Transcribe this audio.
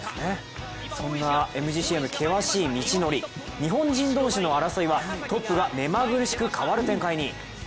そんなＭＧＣへの険しい道のり日本人同士の争いはトップがめまぐるしく変わる展開に。